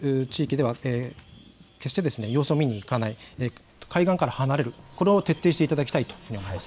津波注意報が出ている地域では決して様子を見に行かない、海岸から離れる、これを徹底していただきたいと思います。